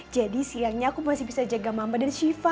jadi siangnya aku masih bisa jaga mama dan syifa